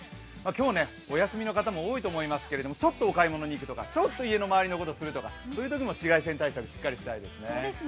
今日お休みの方も多いと思いますけれども、ちょっとお買い物に行くとか家の周りのことをするとかそういうときも紫外線対策しっかりしたいですね。